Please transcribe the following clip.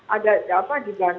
ada apa dibantu